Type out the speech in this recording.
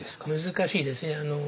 難しいですね。